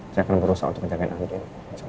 saya akan berusaha untuk jagain andin